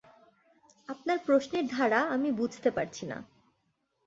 আপনার প্রশ্নের ধারা আমি বুঝতে পারছি না।